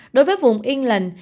đối với vùng england